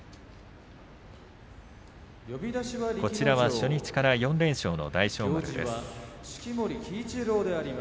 初日から４連勝の大翔丸です。